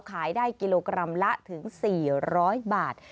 ขายได้กิโลกรัมละถึง๔๐๐บาท